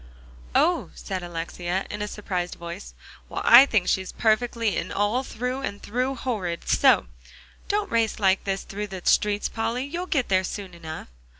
"Oh!" said Alexia, in a surprised voice. "Well, I think she's perfectly and all through and through horrid, so! Don't race like this through the streets, Polly. You'll get there soon enough."